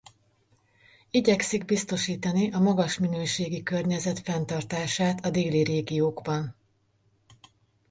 Igyekszik biztosítani a magas minőségi környezet fenntartását a déli régiókban.